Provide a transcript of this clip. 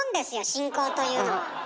進行というのは。